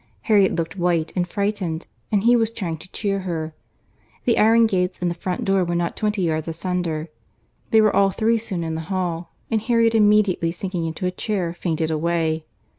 Harriet looked white and frightened, and he was trying to cheer her.—The iron gates and the front door were not twenty yards asunder;—they were all three soon in the hall, and Harriet immediately sinking into a chair fainted away.